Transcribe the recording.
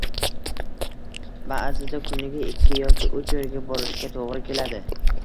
Ba'zida kuniga ikki yoki uch joyga borishga to'g'ri keladi